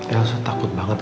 elsa takut banget